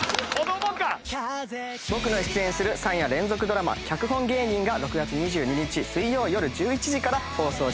僕の出演する３夜連続ドラマ『脚本芸人』が６月２２日水曜夜１１時から放送します。